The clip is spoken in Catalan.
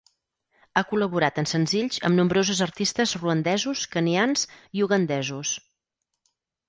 Ha col·laborat en senzills amb nombrosos artistes ruandesos, kenyans i ugandesos.